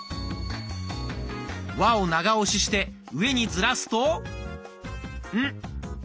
「わ」を長押しして上にずらすと「ん」。